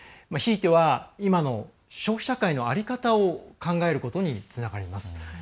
ひいては今の消費社会の在り方を考えることにつながります。